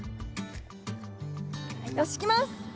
よしいきます！